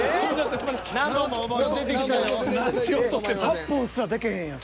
８本すらでけへんやん。